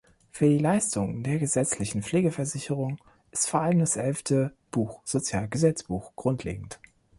Für die Leistungen der gesetzlichen Pflegeversicherung ist vor allem das Elfte Buch Sozialgesetzbuch grundlegend.